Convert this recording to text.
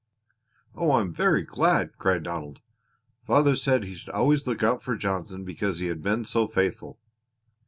"Oh, I am very glad!" cried Donald. "Father said he should always look out for Johnson because he had been so faithful."